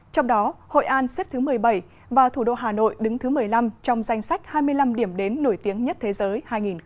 trong đó hội an xếp thứ một mươi bảy và thủ đô hà nội đứng thứ một mươi năm trong danh sách hai mươi năm điểm đến nổi tiếng nhất thế giới hai nghìn hai mươi